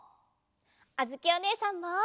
あづきおねえさんも！